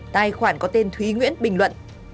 tài khoản có tên thúy nguyễn bình luận